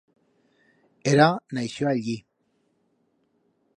Era naixió allí.